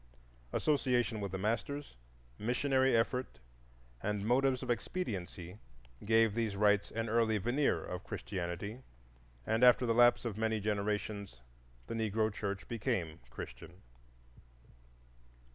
Association with the masters, missionary effort and motives of expediency gave these rites an early veneer of Christianity, and after the lapse of many generations the Negro church became Christian.